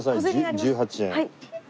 １８円。